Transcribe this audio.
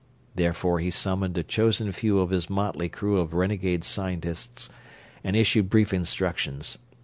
Therefore he summoned a chosen few of his motley crew of renegade scientists and issued brief instructions.